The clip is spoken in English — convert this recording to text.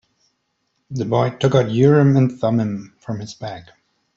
The boy took out Urim and Thummim from his bag.